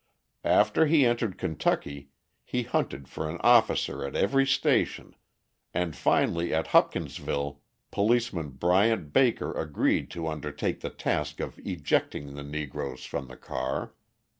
After he entered Kentucky he hunted for an officer at every station and finally at Hopkinsville Policeman Bryant Baker agreed to undertake the task of ejecting the Negroes from the car.